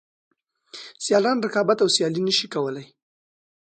سیالان رقابت او سیالي نشي کولای.